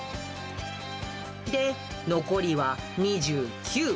で、残りは２９。